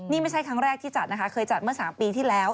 นี่ไม่ใช่ครั้งแรกที่จัดนะคะเคยจัดเมื่อ๓ปีที่แล้ว